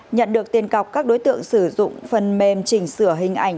nhận được tiền cọc các đối tượng sử dụng phần mềm chỉnh sửa hình ảnh